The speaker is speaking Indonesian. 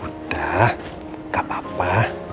udah gak papa